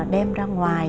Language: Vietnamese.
đem ra ngoài